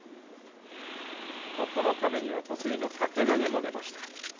九日目には得意の掛け投げも出ました。